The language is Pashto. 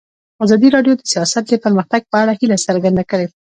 ازادي راډیو د سیاست د پرمختګ په اړه هیله څرګنده کړې.